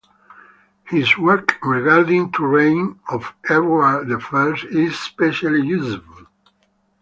His work regarding the reign of Edward the First is especially useful.